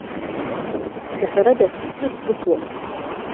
Жәаҳәарада, срыцдәықәлон.